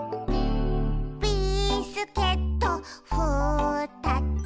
「ビスケットふたつ」